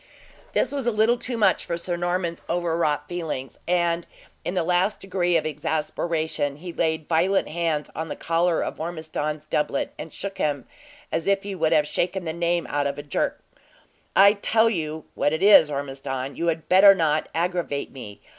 This was a little too much for Sir Norman's overwrought feelings, and in the last degree of exasperation, he laid violent hands on the collar of Ormiston's doublet, and shook him as if he would have shaken the name out with a jerk. "I tell you what it is, Ormiston, you had better not aggravate me!